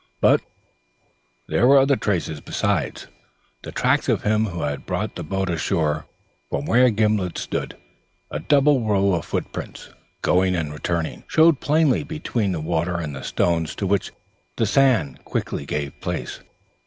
But there were other traces, besides, the tracks of him who had brought the boat ashore. From where Gimblet stood, a double row of footprints, going and returning, showed plainly between the water and the stones to which the sand quickly gave place.